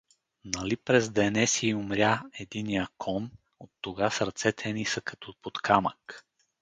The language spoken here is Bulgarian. Нали през денеси умря единия кон, оттогаз ръцете ни са като под камък.